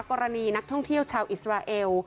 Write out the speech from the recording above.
กรณีนักท่องเที่ยวชาวอิสราเอล